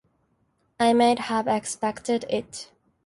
I might have expected it.